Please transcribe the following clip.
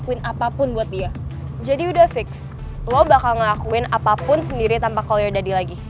ini udah fix lo bakal ngelakuin apapun sendiri tanpa call you daddy lagi